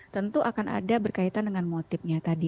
tentu akan ada berkaitan dengan motifnya tadi